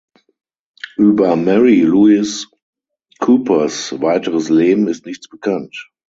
Über Mary Louise Coopers weiteres Leben ist nichts bekannt.